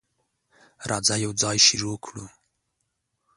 راځه، یوځای شروع کړو.